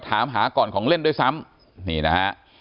ถามหาก่อนของเล่นด้วยซ้ำ